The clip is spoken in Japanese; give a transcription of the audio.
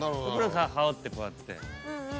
羽織ってこうやって。